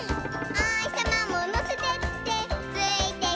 「おひさまものせてってついてくるよ」